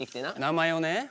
名前をね。